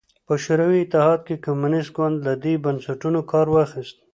په شوروي اتحاد کې کمونېست ګوند له دې بنسټونو کار واخیست